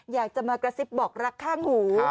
อยากจะมากระซิบบอกรักข้างหู